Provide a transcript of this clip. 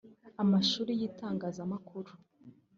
d) Amashuri y’itangazamakuru